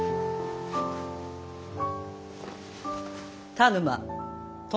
田沼主殿